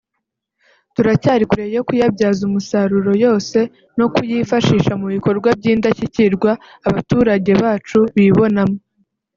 turacyari kure yo kuyabyaza umusaruro yose no kuyifashisha mu bikorwa by’indashyikirwa abaturage bacu bibonamo